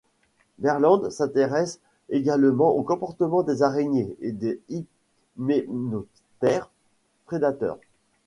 Berland s’intéresse également au comportement des araignées et des hyménoptères prédateurs.